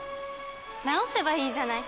治せばいいじゃない。